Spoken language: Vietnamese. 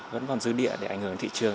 vẫn còn dư địa để ảnh hưởng đến thị trường